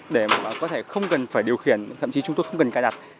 để có thể không cần phải điều khiển thậm chí chúng tôi không cần cài đặt